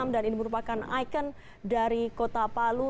dan ini merupakan ikon dari kota palu